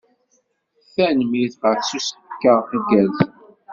Tanemmirt ɣef usefk-a igerrzen.